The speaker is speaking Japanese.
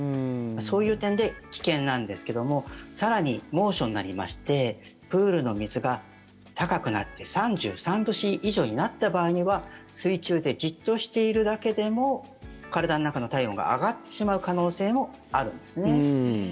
そういう点で危険なんですけども更に、猛暑になりましてプールの水が高くなって３３度以上になった場合には水中でじっとしているだけでも体の中の体温が上がってしまう可能性もあるんですね。